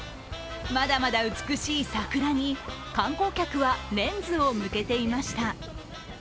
まだまだ美しい桜に観光客はレンズを向けていました。